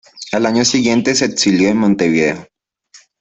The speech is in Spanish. Al año siguiente se exilió en Montevideo.